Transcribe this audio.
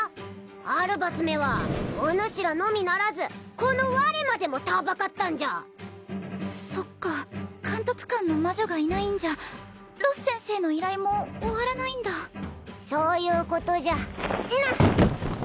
アルバスめはおぬしらのみならずこの我までもたばかったんじゃそっか監督官の魔女がいないんじゃロス先生の依頼も終わらないんだそういうことじゃなっ！